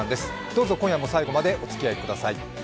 どうぞ今夜も最後までおつきあいください。